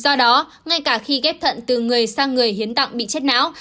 do đó ngay cả khi ghép thận từ người sang người hiến tặng bị chết não